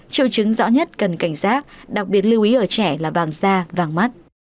triệu chứng rõ nhất cần cảnh giác đặc biệt lưu ý ở trẻ là vang da vang mắt